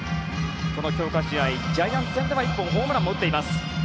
強化試合のジャイアンツ戦では１本ヒットを打っています。